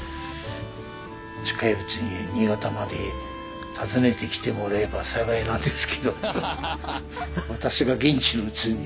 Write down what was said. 近いうちに新潟まで訪ねてきてもらえば幸いなんですけど私が元気なうちに。